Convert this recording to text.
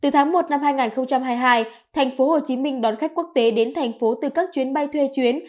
từ tháng một năm hai nghìn hai mươi hai tp hcm đón khách quốc tế đến thành phố từ các chuyến bay thuê chuyến